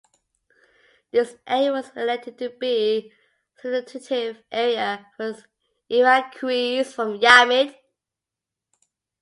This area was elected to be substitutive area for evacuees from Yamit.